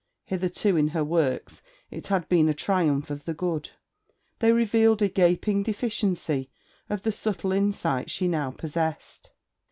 Hitherto in her works it had been a triumph of the good. They revealed a gaping deficiency of the subtle insight she now possessed.